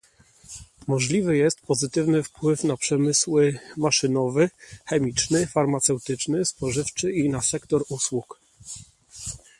Możliwy jest pozytywny wpływ na przemysły maszynowy, chemiczny, farmaceutyczny, spożywczy i na sektor usług